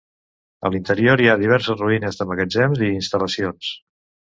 A l'interior hi ha diverses ruïnes de magatzems i instal·lacions.